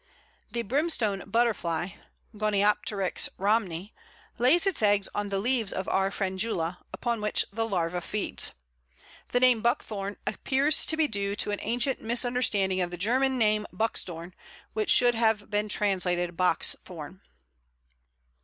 The Brimstone butterfly (Gonepteryx rhamni) lays its eggs on the leaves of R. frangula, upon which the larva feeds. The name Buckthorn appears to be due to an ancient misunderstanding of the German name Buxdorn, which should have been translated Box thorn.